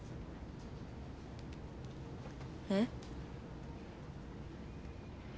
えっ？